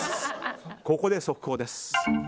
ここで速報です。